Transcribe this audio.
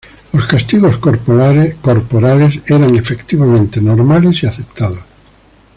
Los castigos corporales eran, efectivamente, normales y aceptados.